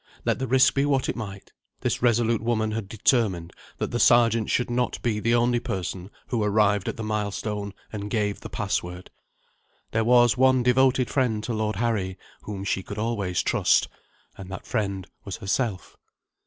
Let the risk be what it might, this resolute woman had determined that the Sergeant should not be the only person who arrived at the milestone, and gave the password. There was one devoted friend to Lord Harry, whom she could always trust and that friend was herself.